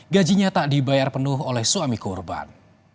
gajinya tak dibayar penuh oleh suami korban